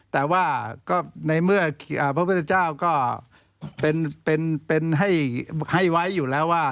แต่ว่าก็ในเมื่อพระพุทธเจ้าก็เป็นให้ไว้อยู่แล้วว่า